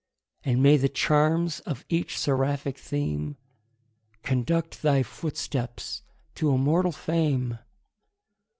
And may the charms of each seraphic theme Conduct thy footsteps to immortal fame!